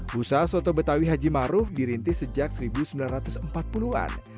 busa soto betawi haji maruf dirintis sejak seribu sembilan ratus empat puluh an